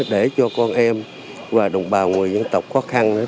để cho con em và đồng bào người dân tộc khó khăn